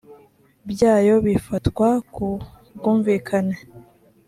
byayo bifatwa ku bwumvikane